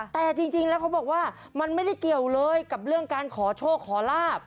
แต่จริงแล้วเขาบอกว่ามันไม่ได้เกี่ยวเลยกับเรื่องการขอโชคขอลาบ